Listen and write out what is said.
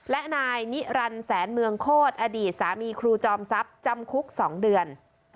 และนายนิรันดิ์แสนเมืองโคตรอดีตสามีครูจอมทรัพย์จำคุก๒เดือน